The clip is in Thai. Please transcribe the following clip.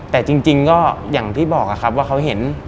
แต่จริงก็อย่างที่บอกครับว่าเขาเห็น